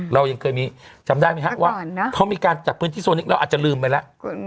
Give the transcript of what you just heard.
เรายังเคยมีจำได้ไหมครับว่าเขามีการจัดพื้นที่โซนนี้เราอาจจะลืมไปแล้ว